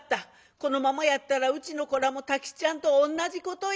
このままやったらうちの子らも太吉っちゃんと同じことや」。